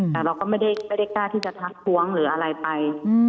แต่เราก็ไม่ได้กล้าที่จะทักท้วงหรืออะไรไป